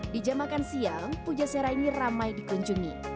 di jam makan siang pujasera ini ramai dikunjungi